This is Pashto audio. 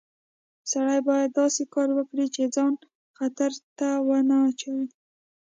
سړی باید داسې کار وکړي چې ځان خطر ته ونه اچوي